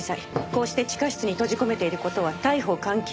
こうして地下室に閉じ込めている事は逮捕監禁。